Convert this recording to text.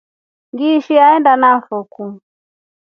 Ngiishi aenda nakufo.